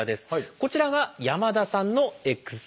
こちらが山田さんのＸ線写真。